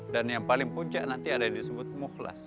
dan yang paling puncak nanti ada yang disebut mukhlas